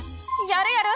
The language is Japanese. やるやる。